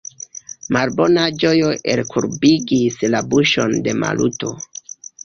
Malbona ĝojo elkurbigis la buŝon de Maluto.